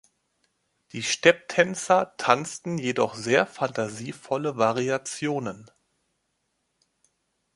Die Stepptänzer tanzten jedoch sehr fantasievolle Variationen.